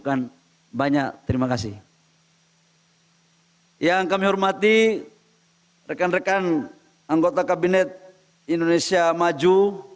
dan rekan rekan anggota kabinet indonesia maju